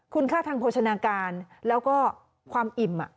คุณค่าทางโภชนาการแล้วก็ความอิ่ม